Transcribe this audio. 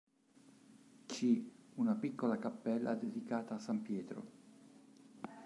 C. una piccola cappella dedicata a san Pietro.